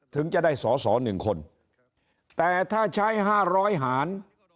ถึงจะได้สอสอหนึ่งคนแต่ถ้าใช้๕๐๐หาร